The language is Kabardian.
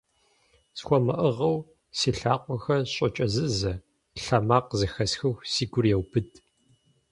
СхуэмыӀыгъыу си лъакъуэхэр щӀокӀэзызэ, лъэмакъ зэхэсхыху, си гур еубыд.